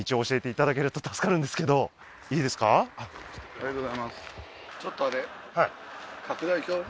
ありがとうございますえっ？